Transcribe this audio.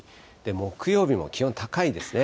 木曜日も気温高いですね。